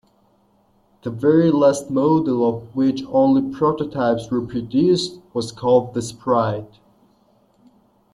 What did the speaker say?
The very last model, of which only prototypes were produced, was called the Sprite.